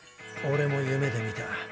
オレも夢で見た。